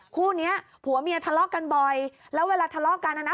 คู่เนี้ยผัวเมียทะเลาะกันบ่อยแล้วเวลาทะเลาะกันนะนะ